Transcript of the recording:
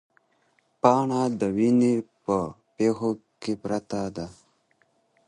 پاڼه د ونې په پښو کې پرته ده.